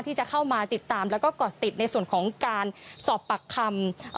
ที่จะเข้ามาติดตามแล้วก็ก่อติดในส่วนของการสอบปากคำ